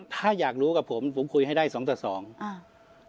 ถ้าอยากรู้กับผมผมคุยให้ได้สองต่อสองอ่า